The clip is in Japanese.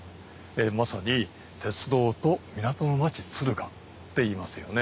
まさに鉄道と港の町敦賀って言いますよね。